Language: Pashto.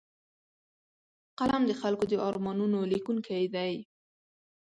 قلم د خلکو د ارمانونو لیکونکی دی